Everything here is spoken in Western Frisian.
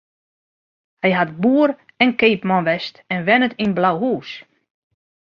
Hy hat boer en keapman west en wennet yn Blauhús.